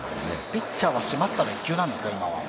ピッチャーはしまったの１球なんですか、今のは。